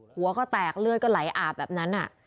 หัวก็แตกเลือดก็ไหลอาบแบบนั้น